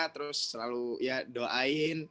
terus selalu doain